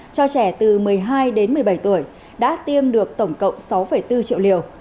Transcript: cho trẻ từ một mươi hai đến một mươi bảy tuổi đã tiêm được tổng cộng sáu bốn triệu liều